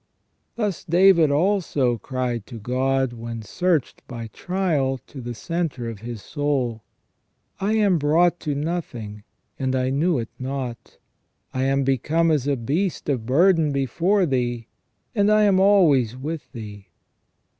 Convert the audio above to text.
Thus David, also, cried to God, when searched by trial to the centre of his soul :" I am brought to nothing, and I knew it not. I am become as a beast of burden before Thee, and I am always with Thee."